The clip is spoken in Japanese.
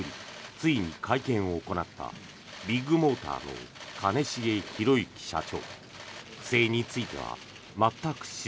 ついに会見を行ったビッグモーターの兼重宏行社長。